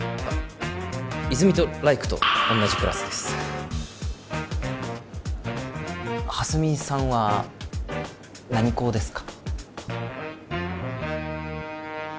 泉と来玖と同じクラスです蓮見さんは何高ですか？